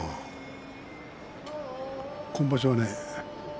今場所はね